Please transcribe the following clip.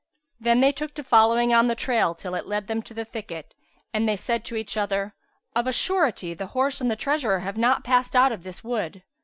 Then they took to following on the trail till it led them to the thicket and they said to each other, "Of a surety, the horse and the treasurer have not passed out of this wood."